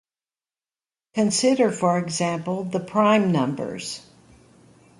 Consider, for example, the prime numbers.